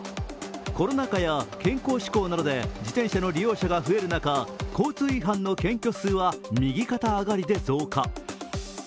コロナ禍や健康志向などで自転車の利用者が増える中交通違反の検挙数は右肩上がりで増加。